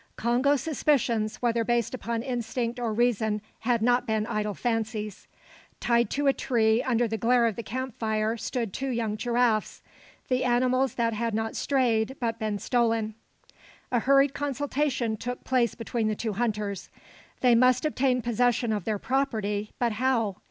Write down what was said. Congo's suspicions, whether based upon instinct or reason had not been idle fancies. Tied to a tree under the glare of the camp fire stood two young giraffes, the animals that had not strayed but been stolen. A hurried consultation took place between the two hunters. They must obtain possession of their property, but how?